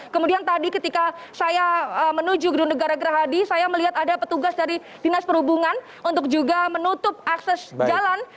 kemudian tadi ketika saya menuju gedung negara gerahadi saya melihat ada petugas dari dinas perhubungan untuk juga menutup akses jalan